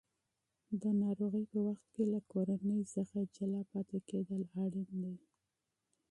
د ناروغۍ په وخت کې له کورنۍ څخه جلا پاتې کېدل اړین دي.